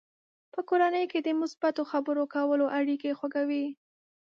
په کورنۍ کې د مثبتو خبرو کول اړیکې خوږوي.